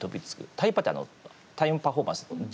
「タイパ」って「タイムパフォーマンス」ですね。